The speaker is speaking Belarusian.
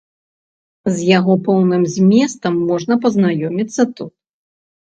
З яго поўным зместам можна пазнаёміцца тут.